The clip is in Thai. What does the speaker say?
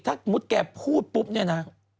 ถ้าแกพูดปุ๊บนี่นะ